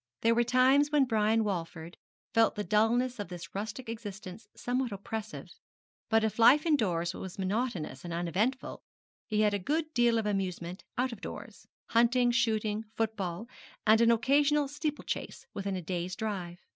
There were times when Brian Walford felt the dulness of this rustic existence somewhat oppressive; but if life indoors was monotonous and uneventful, he had a good deal of amusement out of doors hunting, shooting, football, and an occasional steeple chase within a day's drive.